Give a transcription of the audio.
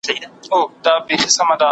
خپل وطن تر هر بل ځای نېکمرغه وګڼئ.